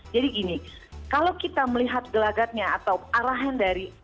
jadi gini kalau kita melihat gelagatnya atau arahan dari